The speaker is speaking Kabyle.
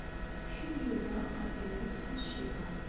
Yekcem Yuba ɣer taglisya n cciṭan.